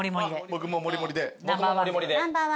僕ももりもりで。